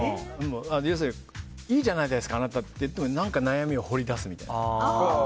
要するに、いいじゃないですかあなたって言っても何か悩みを掘り出すみたいな。